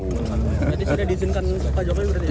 berarti sudah diizinkan pak jokowi berarti ya